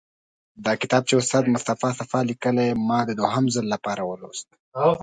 دا کتاب چې استاد مصطفی صفا لیکلی، ما د دوهم ځل لپاره ولوست.